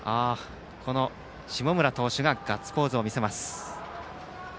下村投手がガッツポーズを見せます。